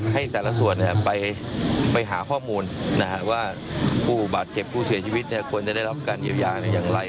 ให้แต่ละส่วนไปหาข้อมูลว่าผู้บาดเจ็บผู้เสียชีวิตควรจะได้รับการเยียวยาอย่างไร